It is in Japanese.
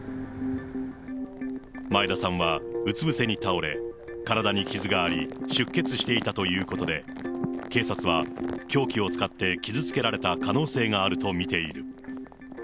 前田さんはうつ伏せに倒れ、体に傷があり、出血していたということで、警察は、凶器を使って傷つけられた可能性があると見ている。